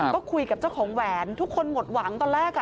ก็คุยกับเจ้าของแหวนทุกคนหมดหวังตอนแรก